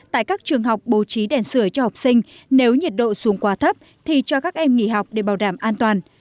tại các trường học bố trí đèn sửa cho học sinh nếu nhiệt độ xuống quá thấp thì cho các em nghỉ học để bảo đảm an toàn